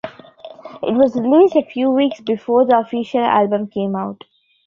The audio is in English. It was released a few weeks before the official album came out.